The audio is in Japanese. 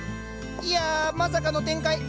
いやまさかの展開。